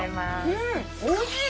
うんおいしい！